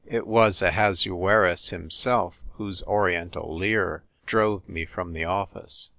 It was Ahasuerus himself whose Oriental leer drove me from the office.